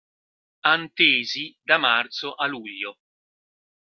Antesi da marzo a luglio.